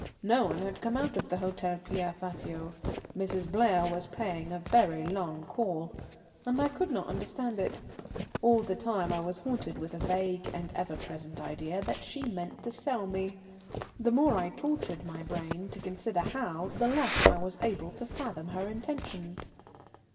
No one had come out of the Hôtel Pierre Fatio. Mrs. Blair was paying a very long call, and I could not understand it. All the time I was haunted with a vague and ever present idea that she meant to sell me. The more I tortured my brain to consider how, the less I was able to fathom her intentions.